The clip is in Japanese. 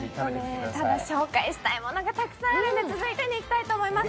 紹介したいものがたくさんあるんで、続いてにいきたいと思います